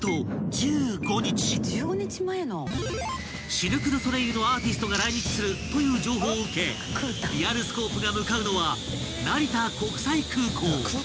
［シルク・ドゥ・ソレイユのアーティストが来日するという情報を受けリアルスコープが向かうのは］